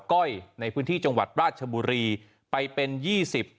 ก้อยในพื้นที่จังหวัดราชบุรีไปเป็นยี่สิบ